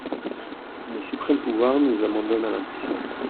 Le suprême pouvoir nous abandonne à l'impuissance.